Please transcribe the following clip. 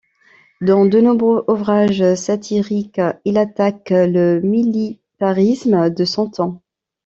Dans de nombreux ouvrages satiriques, il attaque le militarisme de son temps.